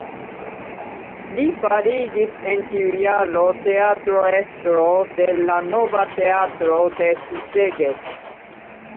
Li fariĝis en tiu jaro teatrestro de la nova teatro de Szeged.